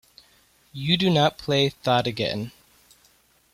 You do not play thot again!